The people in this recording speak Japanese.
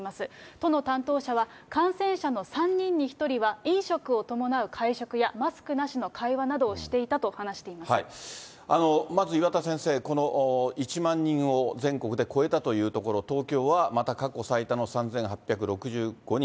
都の担当者は、感染者の３人に１人は飲食を伴う会食やマスクなしの会話などをしまず岩田先生、この１万人を全国で超えたというところ、東京はまた過去最多の３８６５人。